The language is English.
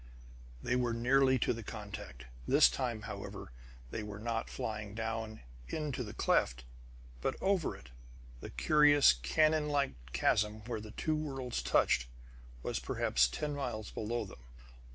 They were nearly to the contact. This time, however, they were not flying down into the cleft, but over it. The curious, canonlike chasm where the two worlds touched was perhaps ten miles below them.